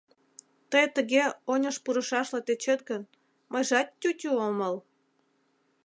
Тый тыге оньыш пурышашла тӧчет гын, мыйжат тютю омыл.